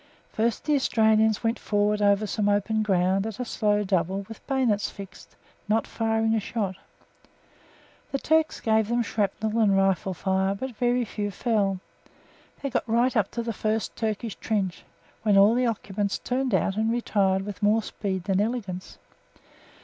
First the Australians went forward over some open ground at a slow double with bayonets fixed, not firing a shot; the Turks gave them shrapnel and rifle fire, but very few fell. They got right up to the first Turkish trench, when all the occupants turned out and retired with more speed than elegance.